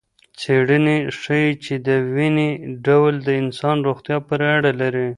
څېړنې ښيي چې دویني ډول د انسان روغتیا پورې اړه لري.